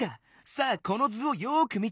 さあこの図をよく見て。